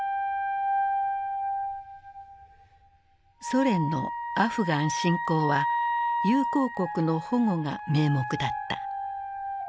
ソ連のアフガン侵攻は友好国の保護が名目だった。